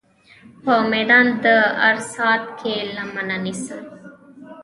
په میدان د عرصات کې لمنه نیسم.